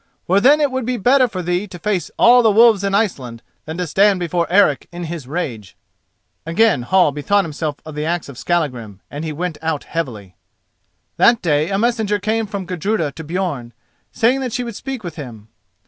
For then it would be better for thee to face all the wolves in Iceland than to stand before Eric in his rage." Again Hall bethought himself of the axe of Skallagrim, and he went out heavily. That day a messenger came from Gudruda to Björn, saying that she would speak with him.